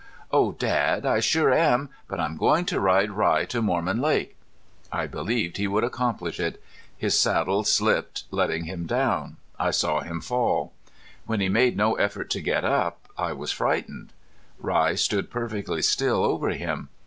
"Oh, Dad, I sure am, but I'm going to ride Rye to Mormon Lake." I believed he would accomplish it. His saddle slipped, letting him down. I saw him fall. When he made no effort to get up I was frightened. Rye stood perfectly still over him.